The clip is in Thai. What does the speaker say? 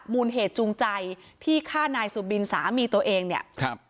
มูลเหตุจูงใจที่ฆ่านายสุบินสามีตัวเองเนี่ยครับ